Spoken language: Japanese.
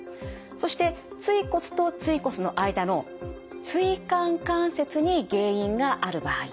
そして椎骨と椎骨の間の椎間関節に原因がある場合。